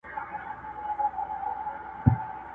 یوه ورځ یې زوی له ځان سره سلا سو.!